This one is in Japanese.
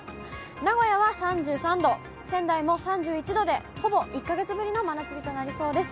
名古屋は３３度、仙台も３１度で、ほぼ１か月ぶりの真夏日となりそうです。